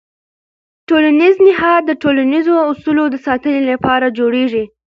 ټولنیز نهاد د ټولنیزو اصولو د ساتنې لپاره جوړېږي.